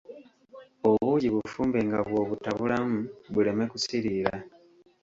Obuugi bufumbe nga bw'obutabulamu buleme kusiiriira.